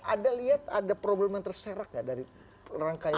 ada lihat ada problem yang terserak gak dari rangkaian